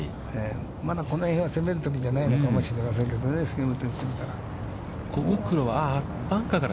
まだこの辺は、攻めるときじゃないのかもしれませんけどね、杉本選手を見たら。